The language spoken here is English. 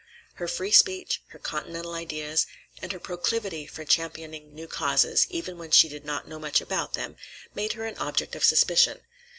Her free speech, her Continental ideas, and her proclivity for championing new causes, even when she did not know much about them, made her an object of suspicion.